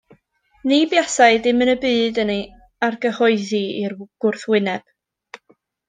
Ni buasai dim yn y byd yn ei argyhoeddi i'r gwrthwyneb.